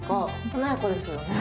華やかですよね。